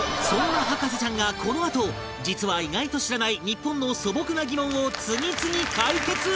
そんな博士ちゃんがこのあと実は意外と知らない日本の素朴な疑問を次々解決